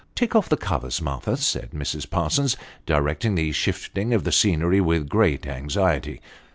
" Take off the covers, Martha," said Mrs. Parsons, directing the shifting of the scenery with great anxiety.